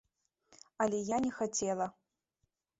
Але я не хацела.